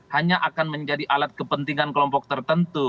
hanya akan menjadi alat kepentingan kelompok tertentu